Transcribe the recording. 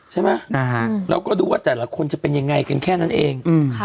ใช่ไหมเราก็ดูว่าแต่ละคนจะเป็นยังไงกันแค่นั้นเอง